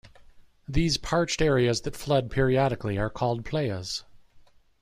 These parched areas that flood periodically are called playas.